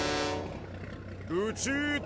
ルチータ！